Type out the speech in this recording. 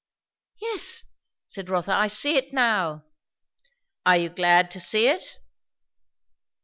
"Yes," said Rotha. "I see it now." "Are you glad to see it?"